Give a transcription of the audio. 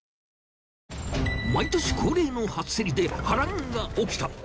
毎年恒例の初競りで波乱が起きた。